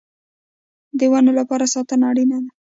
د ونو لپاره ساتنه اړین ده